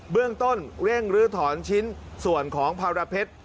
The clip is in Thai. เรื่องต้นเร่งลื้อถอนชิ้นส่วนของภารเพชร